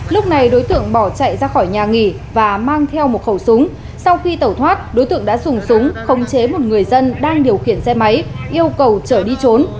lúc này đối tượng bỏ chạy ra khỏi nhà nghỉ và mang theo một khẩu súng sau khi tẩu thoát đối tượng đã dùng súng khống chế một người dân đang điều khiển xe máy yêu cầu chở đi trốn